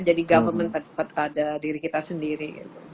jadi government pada diri kita sendiri